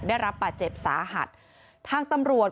ได้รับบาดเจ็บสาหัสทางตำรวจ